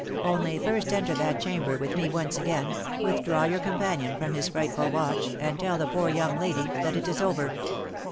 Only first enter that chamber with me once again, withdraw your companion from his frightful watch, and tell the poor young lady that it is over."